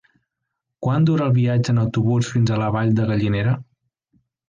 Quant dura el viatge en autobús fins a la Vall de Gallinera?